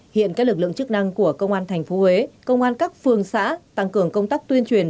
hiện các lực lượng chức năng của công an tp huế công an các phương xã tăng cường công tác tuyên truyền